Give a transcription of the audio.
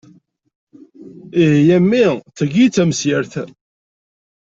Ihi a mmi d tagi i d tamsirt!